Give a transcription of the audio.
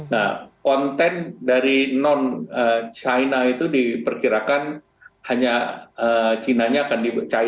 nah konten dari non china itu diperkirakan hanya china nya akan dibatasi sebesar dua puluh tiga puluh